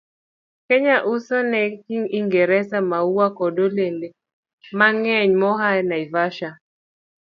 Kenya uso ne Ingresa maua koda olembe mang'eny moa Naivasha,